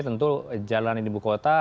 tentu jalan di ibu kota